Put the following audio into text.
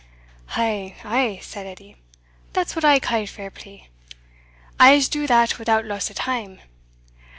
"Ay, ay," said Edie "that's what I ca' fair play; I'se do that without loss o' time.